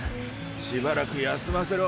しばらく休ませろ。